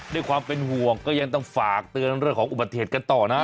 ด้วยความเป็นห่วงก็ยังต้องฝากเตือนเรื่องของอุบัติเหตุกันต่อนะ